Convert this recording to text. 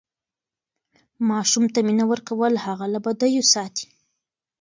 ماسوم ته مینه ورکول هغه له بدیو ساتي.